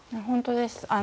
本当です。